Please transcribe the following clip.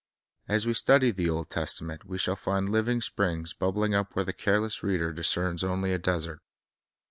As we study the Old Testament, we shall find living springs bubbling up where the careless reader discerns only a desert.